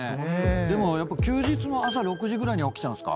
でも休日も朝６時ぐらいには起きちゃうんすか？